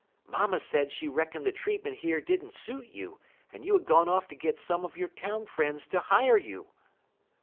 Mamma said she reckoned the treatment here did n't suit you, and you had gone off to get some of your town friends to hire you."